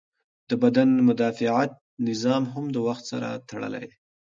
د بدن مدافعت نظام هم د وخت سره تړلی دی.